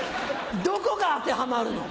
どこが当てはまるの？